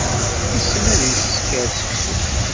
Yessen ad isker seksu.